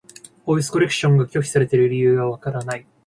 ボイスコレクションが拒否されている理由がわからない。